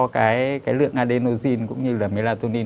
cái lượng adenosine cũng như là melatonin